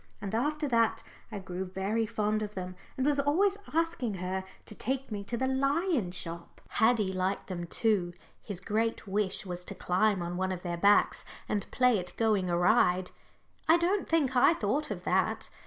And after that I grew very fond of them, and was always asking her to take me to the "lion shop." Haddie liked them too his great wish was to climb on one of their backs and play at going a ride. I don't think I thought of that.